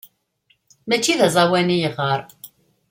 Mačči d aẓawan i yeɣɣar.